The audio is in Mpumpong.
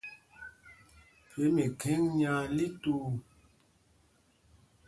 Phe mikheŋ nya lǐ tüü.